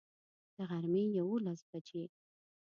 د غرمي یوولس بجي